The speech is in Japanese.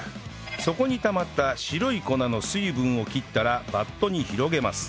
底にたまった白い粉の水分を切ったらバットに広げます